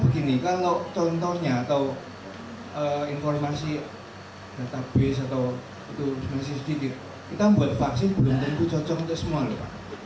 kita buat vaksin belum tentu cocok untuk semua